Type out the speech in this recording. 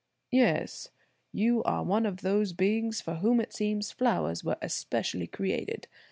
"Yes, you are one of those beings for whom it seems flowers were especially created.